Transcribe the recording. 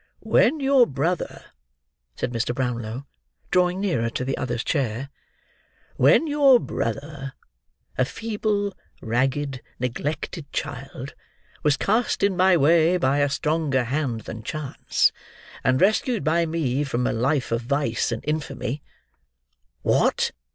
"When your brother," said Mr. Brownlow, drawing nearer to the other's chair, "When your brother: a feeble, ragged, neglected child: was cast in my way by a stronger hand than chance, and rescued by me from a life of vice and infamy—" "What?"